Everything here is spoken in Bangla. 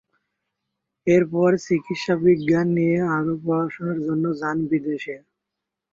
এরপর চিকিৎসা বিজ্ঞান নিয়ে আরও পড়াশোনার জন্য যান বিদেশে।